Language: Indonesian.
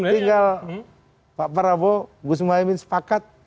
tinggal pak prabowo gus muhaymin sepakat